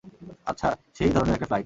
আচ্ছা, সেই ধরণের একটা ফ্লাইট।